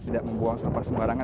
tidak membuang sampah sembarangan